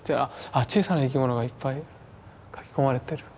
小さな生き物がいっぱい描き込まれてる。